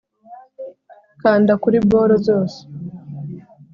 kanda kuri boro zose